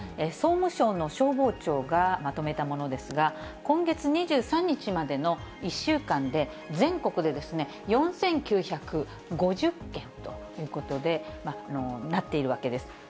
総務省の消防庁がまとめたものですが、今月２３日までの１週間で、全国で４９５０件ということで、なっているわけです。